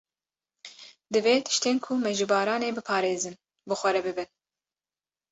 Divê tiştên ku me ji baranê biparêzin bi xwe re bibin.